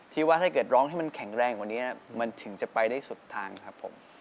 ว่าถ้าเกิดร้องให้มันแข็งแรงกว่านี้มันถึงจะไปได้สุดทางครับผม